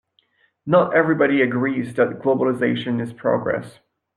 Not everybody agrees that globalisation is progress